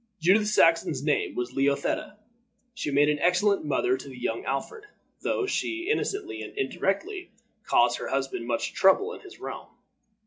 Judith's Saxon name was Leotheta. She made an excellent mother to the young Alfred, though she innocently and indirectly caused her husband much trouble in his realm.